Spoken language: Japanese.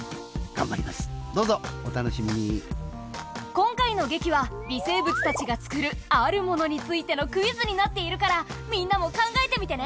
今回の劇は微生物たちが作るあるものについてのクイズになっているからみんなも考えてみてね。